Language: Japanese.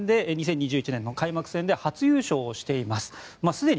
２０２１年の開幕戦で初優勝をしています。